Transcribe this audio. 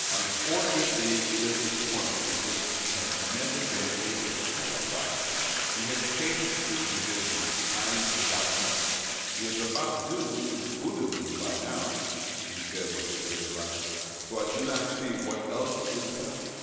Unfortu nately, it is a point on which he has never been able to satisfy himself. He has changed his religion times without number. He is about due into Buddhism by now," he said with a bitter laugh, " for I do not see what else is left.